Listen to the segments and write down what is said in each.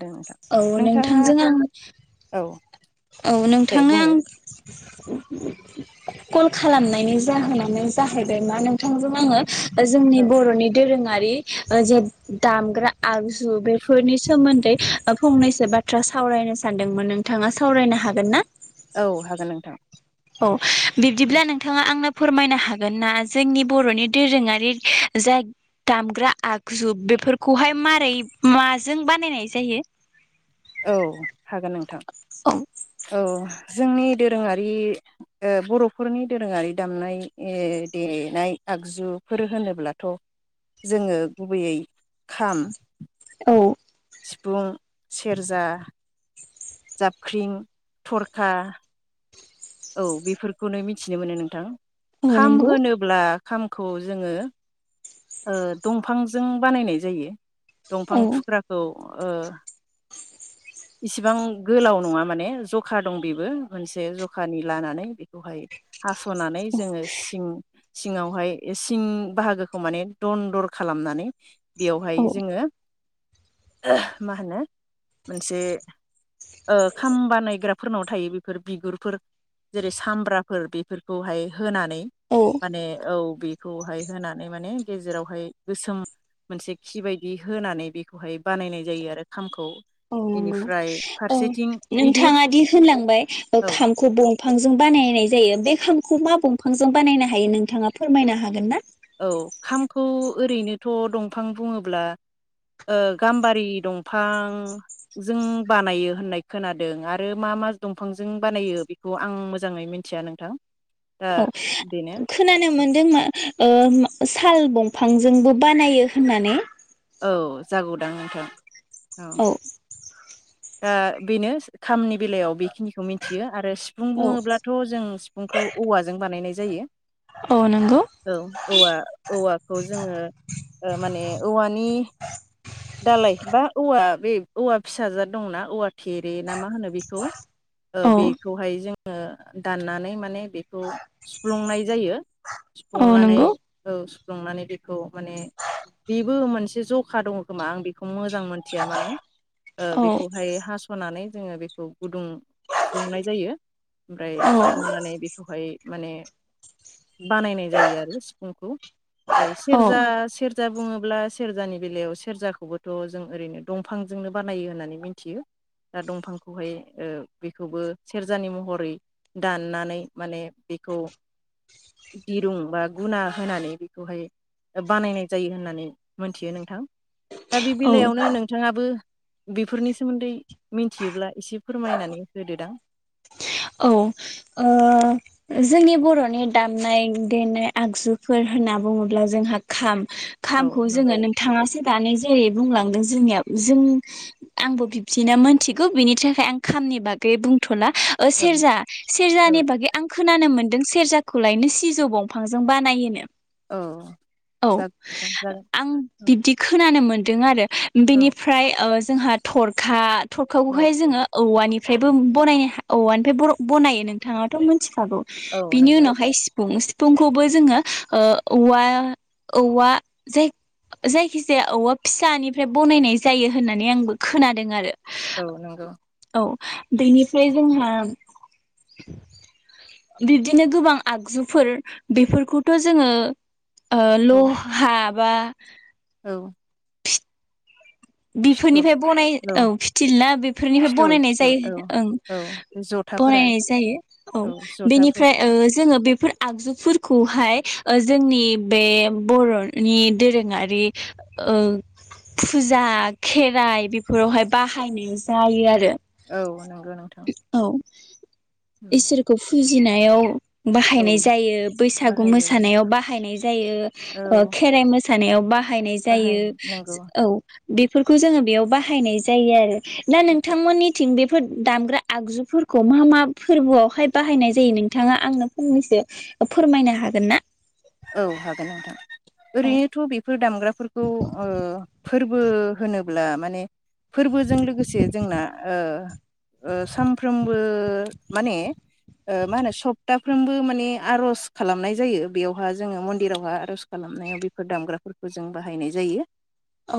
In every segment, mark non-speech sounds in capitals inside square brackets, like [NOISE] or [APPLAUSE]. दों नोंथां औ नोंथाङा नोंथांजों आं औ औ दे नोंथांनो आं बुंलाय कल खालामनायनि जाहोनानो जाहैबाय मा नोंथांजों आङो जोंनि औ बर'नि दोरोङारि बे जेब दामग्रा आगजु बेफोरनि सोमोन फंनैसो बाथ्रा सावरायनो सानदोंमोन नोंथाङा सावरायनो हागोन ना? औ हागोन नोंथां। औ। बिबदिब्ला नोंथाङा आंनोब फोरमायनो हागोन ना जोंनि बर'नि दोरोङारि जाय दामग्रा आगजु बेफोरखौहाय मारै माजों बानायनाय जायो? औ हागोन नोंथां। औ [UNINTELLIGIBLE] जोंनि दोरोङारि ओ बर'फोरनि दोरोङारि दामनाय ओ देनाय आगजुफोर होनोब्लाथ' जोङो गुबैयै खाम। औ। सिफुं सेरजा जाबख्रिं थरखा औ बेफोरखौनो मिथिनो मोनो नोंथां। औ खाम नंगौ होनोब्ला खामखौ जोङो ओ दंफांजों बानायनाय जायो। औ दंफां थुख्राखौ ओ इसिबां गोलाव नङा माने जखा दं बेबो मोनसे जखानि लानानै बेखौहाय हास'नानै जोङो सिं सिङावहाय सिं बाहागोखौ माने दन दर खालामनानै बेवहाय औ जोङो मा होनो मोनसे ओ खाम बानायग्रा फोरनाव थायो बेफोर बिगुरफोर जेरै सामब्राफोर बेफोरखौहाय होनानै औ माने औ। बेखौहाय होनानै माने गेजेरावहाय गोसोम मोनसे खि बायदि होनानै बेखौहाय बानायनाय जायो आरो खामखौ औ नंगौ बेनिफ्राय औ फारसेथिं गिदिर नोंथाङा दि होनलांबाय ओ औ खामखौ बिफांजों बानायनाय जायो बे खामखौ मा दंफांजों बानायनो हायो नोंथाङा फोरमायनो हागोन ना? औ खामखौ ओरैनोथ' दंफां बुङोब्ला ओ गाम्बारि दंफांजों बानायो होननाय खोनादों आरो मा मा दंफांजों बानायो बेखौ आं मोजाङै मिथिया नोंथां। दा औ बेनो खोनानो मोनदों मा ओ साल दंफांजोंबो बानायो होननानै औ जागौदां नोंथां औ आं बेनो खामनि बेलायाव बे बे खिनिखौ मिथियो आरो सिफुं औ बुङोब्लाथ' जों सिफुंखौ औवाजों बानायनाय जायो औ नंगौ औ औवा औवाखौ जोङो माने औवानि दालाय बा औवा बे औवा फिसाजाद दंना औवा थेरे ना मा होनो बेखौ ओ औ बेखौहाय जों ओ दाननानै माने बेखौ सुफ्लंनाय जायो औ सुफ्लुंनानै नंगौ औ सुफ्लंनानै बेखौ माने बेबो मोनसे ज खा दङ खोमा आं बेखौ मोजां मोजां मोनथिया माने औ बेखौहाय हास'नानै जोङो बेखौ गुदुं सुफ्लुंनाय जायो ओमफ्राय सुफ्लुंनानै बेखौहाय माने बानायनाय जायो आरो [UNINTELLIGIBLE] [UNINTELLIGIBLE] औ सेरजा सेरजा जा बुङोब्ला सेरजानि बेलायावसो सेरजाखौबोथ' जों ओरैनो दंफांजोंनो बानायो होननानै मिथियो दा दंफांखौहाय ओ बेखौबो सेरजानि महरै दाननानै माने बेखौ दिरुं बा गुना होनानै बेखौहाय बानायनाय जायो होननानै मोनथियो नोंथां। दा बे औ बेलायावनो नोंथाङाबो बेफोरनि सोमोन्दै मिथियोब्ला एसे फोरमायनानै होदोदां औ ओ जोंनि बर'नि दामनाय देनाय आगजुफोर होनना बुङोब्ला जोंहा खाम औ खामखौ जोङो नंगौ नोंथाङासो दाननाय जेरै बुंलांदों जोंनियाव जों आंबो बिब्दिनो मोनथिगौ बिनि थाखाय आं खामनि बागै बुंथ'ला ओ औ सेरजा सेरजानि औ बागै आंखो खोनानो मोनदों सेरजाखौलायनो सिजौ दंफांजों बानायोनो। औ औ जागोन नोंथां जागोन आं बिब्दि खोनानोमोन। दों आरो। औ बिनिफ्राय ओ जोंहा थरखा। औ थरखाखौहाय जोङो औवानि ओमफ्रायबो बनायनो औव-औवानिफ्राय बर बनायो। नोंथाङावथ' मोनथि खागौ औ बिनि नंगौ उनावहाय सिफुं सि फुंखौबो जोङो ओ औवा औवा जाय जायखिजाया औवा फिसानिफ्राय बनायनाय जायो होननानै आंबो खोनादों आरो। औ नंगौ। औ बेनिफ्राय जोंहा बिब्दिनो गोबां आगजुफोर बेफोरखौथ' जोङो ओ औ लहा बा औ। फिथल बेफोरनिफ्राय बनाय औ फिथिलना फिथल फिथल बेफोरनिफ्राय औ ओ बनायनाय जायो ओं औ जथाफोरा बनायनाय जायो औ बेनिफ्राय ओ जोङो बेफोर आगजुफोरखौहाय ओ जोंनि बे बर'नि दोरोङारि फुजा जा खेराइ बेफोरावहाय बाहायनाय जायो आरो। औ नंगौ नोंथां। औ उम इसोरखौ फुजा जानायाव औ बाहायनाय जायो बैसागु बाहायो मोसानायाव बाहायनाय औ जायो खेराइ मोसा सानायावबा बाहायनाय जायो बाहायनो नंगौ औ बेफोरखौ जोङो बेयाव बाहायनाय जायो आरो दा नोंथांमोननि थिं बे फोर दामग्रा आगजुफोरखौ मा मा फोरबोयावहाय बाहायनाय जायो नोंथाङा आंनो फंनैसो फोरमायनो हागोन ना? औ हागोन नोंथां। औ ओरैनोथ' बेफोर दामग्रा फोरफोरखौ ओ फोरबो होनोब्ला माने फोरबोजों लोगोसे जोंना ओ ओ सानफ्रोमबो माने ओ मा होनो सप्ताफ्रोमबो माने आर'ज खालामनाय जायो बेयाव हा जोङो मन्दिरावहा आर'ज खालामनायाव बेफोर दामग्राफोरखौ जों बाहायनाय जायो। औ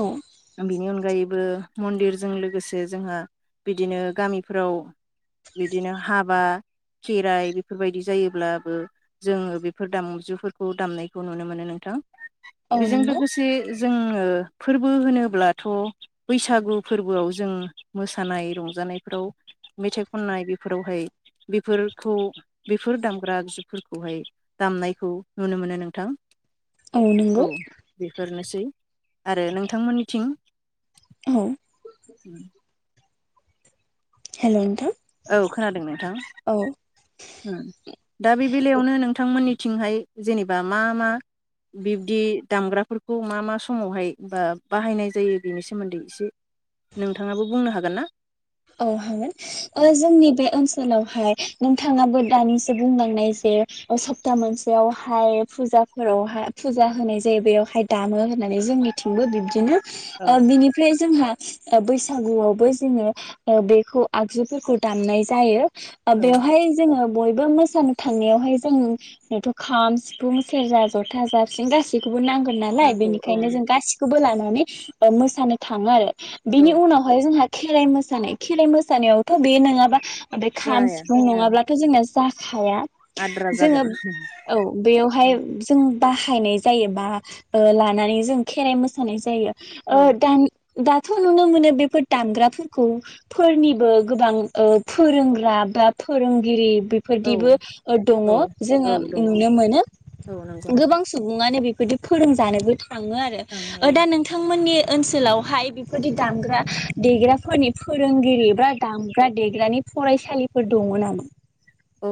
आं बेनि अनगायैबो मन्दिरजों लोगोसे जोंहा बिदिनो गामिफ्राव बिदिनो हाबा खेराइ बेफोरबायदि जायोब्लाबो जोङो बेफोर दामुजुफोर खौ दामनायखौ नुनो मोनो नोंथां औ । बेजों नंगौ लोगोसे जोङो फोरबो होनोब्लाथ बैसागु फोरबोयाव जों मोसानाय रंजानायफोराव मेथाइ खननाय बेफोरावहाय बेफोरखौ बेफोर दामग्रा आगजुफोरखौहाय दामनायखौ नुनो मोनो नोंथां । औ बेफोरनो सै आरो नोंथांमोननिथिं औ । हेलौ नोंथां । औ खोनादों नोंथां? दा बे बेलायावनो नोंथांमोननि थिंहाय जेनोबा मा मा बिब्दि दामग्राफोरखौ मा मा समावहाय बा बाहायनाय जायो बेनि सोमोन्दै एसे नोंथाङाबो बुंनो हागोन ना? औ हागोन, ओ जोंनि बे ओन सोलावहाय नोंथाङाबो दानिसो बुंलांनाय जे सप्ता मोनसेयावहाय फुजाफोरावहाय फुजा होनाय जायो बेयावहाय दामो होननानै जोंनिथिंबो बिब्दिनो औ ओ बिनिफ्राय जोंहा बैसागुयावबो जोङो बेखौ आगजुफोरखौ दामनाय जायो । ओ बेवहाय जोङो बयबो मोसानो थांनायावहाय जोंथ खाम सिफुं सेरजा जथा जाबसिनं गासैखौबो नांगोन नालाय नांगौ औ बेनिखायनो जों गासिखौबो लानो माने मोसानो थाङो आरो । औ बिनि उनावहाय जोंहा खेराइ मोसानाय खेराइ मोसानायावथ बे नङाबा ओमफ्राय खाम जाया सिफुं ओं नङाब्लाथ जोंना सि [UNINTELLIGIBLE] हाया आद्रा जागोन जोङोब औ औ बेयावहाय जों बाहायनाय जायो बा ओ लानानै जों खेराइ मोसानाय जायो । ओ दां दाथ नुनो मोनो बेफोर दामग्राफोरखौ फोरनिबो गोबां ओह फोरोंग्रा बा फोरोंगिरि औ बेफोरदिबो ओ दङ औ जोङो दङ औ नुनो मोनो नंगौ नोंथां गोबां सुबुङानो बेफ बिदि फोरोंजानोबो थ थाङो ओं आरो औ दा नोंथांमोननि ओनसोलावहाय बेफोरदि दामग्रा देग्राफोरनि फोरोंगिरिफ्रा दामग्रा देग्रानि फरायसालिफोर दङ नामा? औ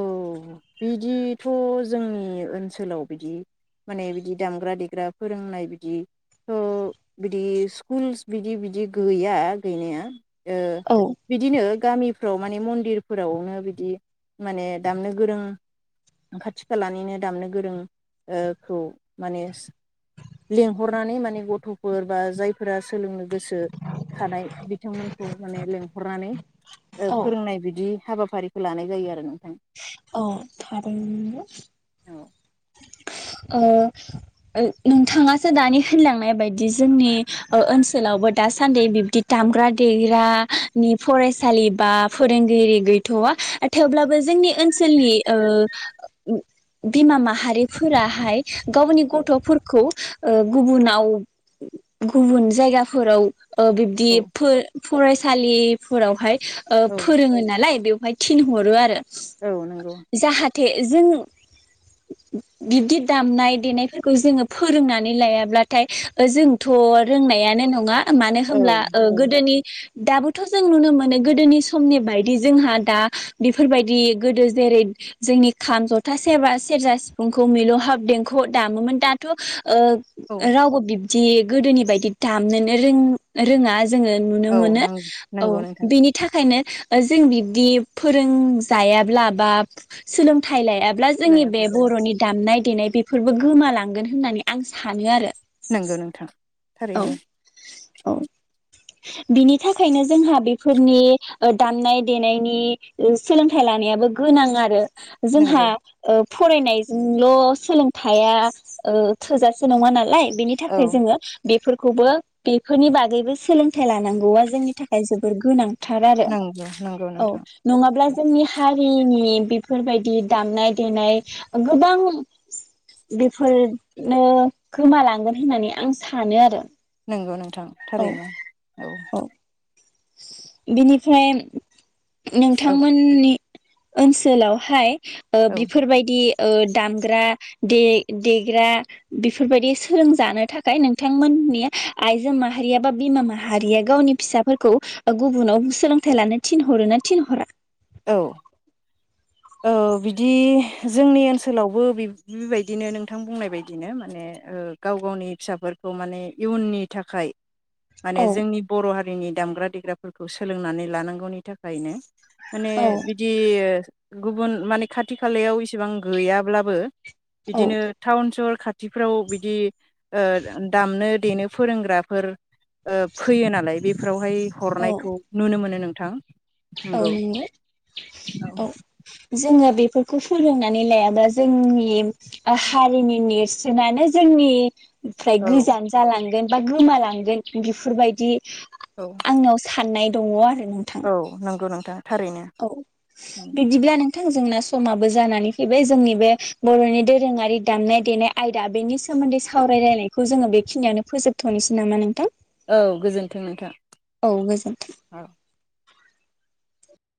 बिदिथ जोंनि ओनसोलाव बिदि माने बिदि दामग्रा देग्रा फोरोंनाय बिदिथ बिदि स्कुल्स बिदि बिदि गैया गैनाया। ओ औ बिदिनो गामिफ्राव माने मन्दिरफोरावनो बिदि माने दामनो गोरों खाथि खालानिनो दामनो गोरों ओ खौ माने लेंंहरनानै माने गथफोर बा जायफोरा सोलोंनो गोसो थानाय बिथांमोनखौ माने लेंंहरनानै ओ औ फोरोंनाय बिदि हाबाफारिखौ लानाय जायो आरो जों औ थादों औ ओ नोंथाङासो दानि होनलांनाय बायदि जोंनि ओ-ओनसोलावबो दासान्दि बिब्दि दामग्रा देग्रानि फरायसालि बा फोरोंगिरि गैथवा थेवब्लाबो जोंनि ओनसोलनि ओ बिमा माह हारिफोराहाय गावनि औ गथफोरखौ ओह गुबुनाव गुबुन जायगाफोराव ओ औ बिब्दिफोर फरायसालिफोरावहाय ओ औ फोरोङो नालाय बेवहाय थिनहरो आरो औ नंगौ। थे जों बिब्दि दामनाय देनायफोरखौ जोङो फोरोंनानै लायाब्लाथाय जोंथ रोंनायानो नङा। मानो औ होनोमब्ला ओ औ गोदोनि दाबोथ जों नुनो मोनो गोदोनि समनि बायदि जोंहा दा बेफोरबायदि गोदो जेरै जोंनि खाम जथा सेबास सेरजा सिफुंखौ मिलौहाब देंख दामोमोन दाथ ओ औ रावबो बिब दि गोदोनि बायदि दामनोनो रों रोंङा जोंङो नुनो औ मोनो औ नंगौ नोंथां बेनि थाखायनो जों बिब्दि फोरोंजायाब्ला बा सोलोंथाइ लाया ब्ला जोंनि लायाब्ला औ बरनि दाम दानाय देनाय बेफोरबो गोमालांगोन होननानै आं सानो आरो नोंगौ नोंथां थारैनो औ-औ औ बिनि थाखायनो जोंहा बेफोरनि दामनाय देनायनि सोलोंथाइ लानायाबो गोनां आरो जोंहा नंगौ फरायनायजोंल सोलोंथाइख ओ थोजासे नंङा नालाय बेनि औ थाखाय जोंङो बेफोरखौबो बेफोरनि बागैबो सोलोंथाइ लानांगौआ जोंनि थाखाय जोबोर गोनां थार आरो नंगौ नंगौ औ नोंथां नंङाब्ला जोंनि हारिनि बेफोरबायदि दामनाय देनाय गोबां बेफोरनो खोमालांगोन होननानै आं सा सानो आरो नोंगौ नों औ थारैनो औ बेनिफ्राय औ नोंथांमोननि ओनसोलावहाय ओ औ बिफोरबायदि ओ दामग्रा देग्रा बेफोरबायदि सोलोंजानो थाखाय नोंथांमोननि आइजो माहारिया बा बिमा माहारि हारिया गावनि फिसाफोरखौ गुबुनाव सोलोंथाइ लानो थिनहरो ना थिनहरा? औ ओ बिदि जोंनि ओनसोलावबो बेबायदिनो नोंथां बुंनाय बदिनो माने ओ गाव गावनि फिसाफोरखौ माने इयुननि थाखाय माने औ जोंनि बर हारिनि दामग्रा देग्राफोरखौ सोलोंनानै लानांगौनि थाखायनो माने औ बिदि गुबुन माने खाथि खालायाव इसिबां गैयाब्लाबो औ बिदिनो टाउन सहर खाथिफ्राव बिदि ओ‌ दामनो देनो फोरोंग्राफोर ओ फैयो नालाय बेफोरावहाय औ हरनायखौ नुनो मोनो नों थां औ नांगौ औ जोंङो बेफोरखौ फोरोंनानै लायाबा जोंनि हारिनि नेरसोनानो जोंनि फ्राय औ गोजान जालांगोन बा गोमालांगोन बेफोरबायदि आंनाव सान्नाय दङ आरो नोंथां औ नंगौ नों औ बिदिब्ला नों थां जोंना समाबो जानानै फैबाय जोंनि बे बर'नि दोरोङारि दामनाय देनाय आयदा बेनि सोमोन्दै सावराय लायनायखौ जोंङो बेखिनियावनो फोजोबथ'नोसै नामा नोंथां? औ गोजोनथों नोंथां औ गोजोन्थों औ ।